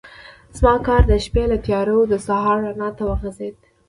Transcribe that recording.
زما کار د شپې له تیارو د سهار رڼا ته وغځېد.